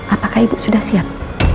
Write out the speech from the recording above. apakah ibu sudah siap